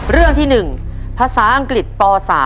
เรื่องที่๑ภาษาอังกฤษป๓